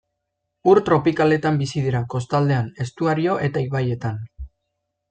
Ur tropikaletan bizi dira, kostaldeetan, estuario eta ibaietan.